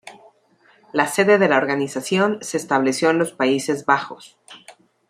La sede de la organización se estableció en los Países Bajos.